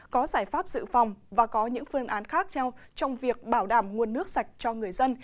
có giải pháp dự phòng và có những phương án khác nhau trong việc bảo đảm nguồn nước sạch cho người dân